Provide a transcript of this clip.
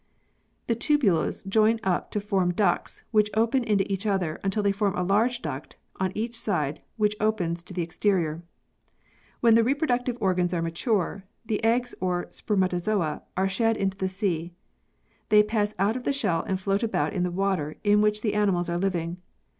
The tubules join up to form ducts which open into each other until they form a large duct on each side which opens to the exterior. When the reproductive organs are mature, the eggs or spermatozoa are shed into the sea. They pass out of the shell and float about in the water in which the animals are living.